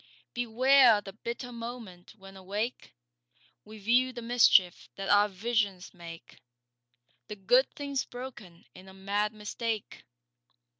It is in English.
Beware the bitter moment when awake We view the mischief that our visions make— The good things broken in a mad mistake.